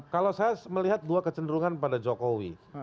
kalau saya melihat dua kecenderungan pada jokowi